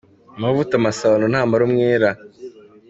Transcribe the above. Amavuta masabano ntamara umwera.